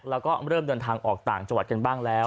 แล้วก็เริ่มเดินทางออกต่างจังหวัดกันบ้างแล้ว